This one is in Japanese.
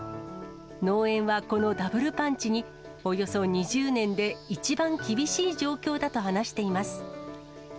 農園はこのダブルパンチに、およそ２０年で一番厳しい状況だと話しています。